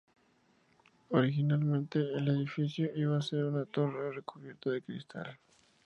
Originalmente el edificio iba ser una torre recubierta de cristal.